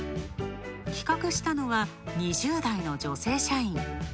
企画したのは２０代女性社員。